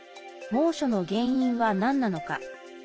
猛暑の原因はなんなのか。